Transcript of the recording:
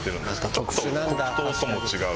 ちょっと黒糖とも違う。